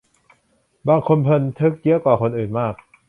บางคนบันทึกเยอะกว่าคนอื่นมาก